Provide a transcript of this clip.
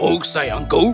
dia hanya meyakinkan ratu